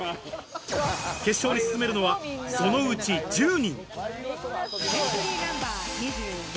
決勝に進めるのは、そのうち１０人。